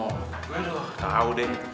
aduh tau deh